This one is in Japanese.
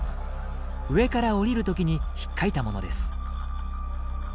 上から下りる時にひっかいたものです。